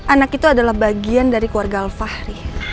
anak itu adalah bagian dari keluarga alfahri